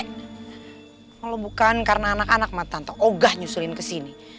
kalau bukan karena anak anak mah tante ogah nyusulin kesini